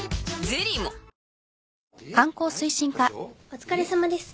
お疲れさまです。